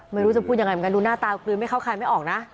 ไม่รู้จะพูดยังไงเหมือนกันดูหน้าตากลืนไม่เข้าคายไม่ออกนะ